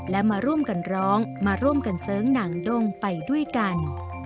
และมาร่วมกันร้องมาร่วมกันเสริงหนังด้งไปด้วยกัน